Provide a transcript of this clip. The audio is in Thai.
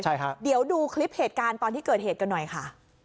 ใช่ครับเดี๋ยวดูคลิปเหตุการณ์ตอนที่เกิดเหตุกันหน่อยค่ะ